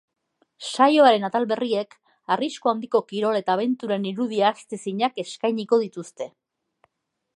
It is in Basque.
Saioaren atal berriek, arrisku handiko kirol eta abenturen irudi ahaztezinak eskainiko dituzte.